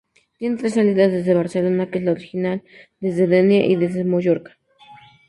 Tiene tres salidas: desde Barcelona, que es la original; desde Denia; y desde Mallorca.